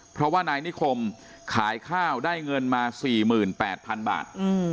เพราะว่านายนิคมขายข้าวได้เงินมา๔๘๐๐๐บาท